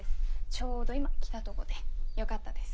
ちょうど今来たとごでよかったです。